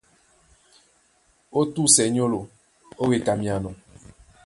Ó túsɛ nyólo, ó weka myano.